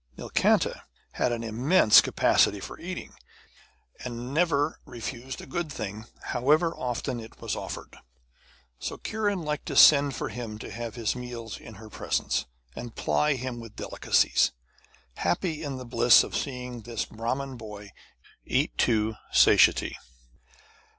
Nilkanta had an immense capacity for eating, and never refused a good thing, however often it was offered. So Kiran liked to send for him to have his meals in her presence, and ply him with delicacies, happy in the bliss of seeing this Brahmin boy eat to satiety.